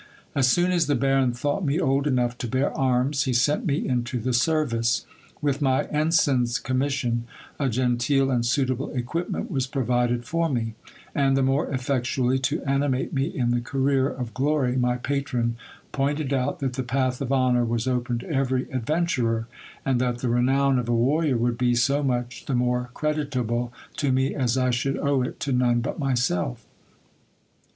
As soon as the Baron thought me old enough to bear arms, he sent me into the service. With my ensign's commission, a genteel and suitable equipment was provided for me ; and, the more effectually to animate me in the career of glory, my patron pointed out that the path of honour was open to every adventurer, and that the renown of a warrior would be so much the more creditable to me, as I should owe it to none but myself.